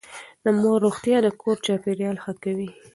د مور روغتيا د کور چاپېريال ښه کوي.